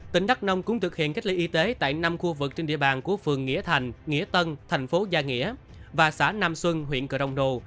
tỉnh đắk nông cũng thực hiện cách ly y tế tại năm khu vực trên địa bàn của phường nghĩa thành nghĩa tân thành phố gia nghĩa và xã nam xuân huyện cờ rông đồ